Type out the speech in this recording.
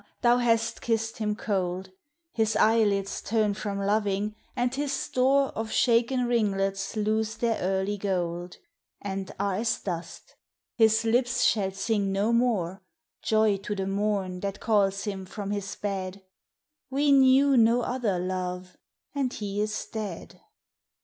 thou hast kissed him cold, His eyelids turn from loving, and his store Of shaken ringlets lose their early gold And are as dust, his lips shall sing no more Joy to the morn that calls him from his bed ; We knew no other love and he is dead